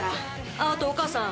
あっあとお母さん。